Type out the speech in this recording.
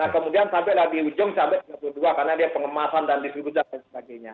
kemudian sampai di ujung sampai tiga puluh dua karena dia pengemasan dan disrud dan sebagainya